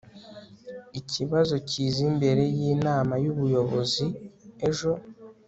ikibazo kiza imbere yinama yubuyobozi ejo